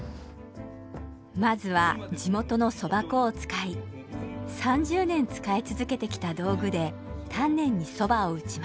まずは地元のそば粉を使い３０年使い続けてきた道具で丹念にそばを打ちます。